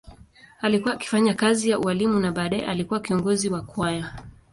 Alikuwa akifanya kazi ya ualimu na baadaye alikuwa kiongozi wa kwaya.